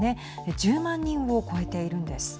１０万人を超えているんです。